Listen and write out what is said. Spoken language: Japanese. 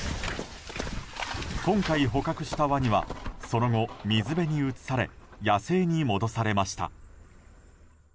今回捕獲したワニはその後、水辺に移され野生に戻されました。